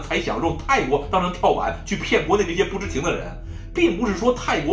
เพราะฉะนั้นพวกมันอยากให้ไทย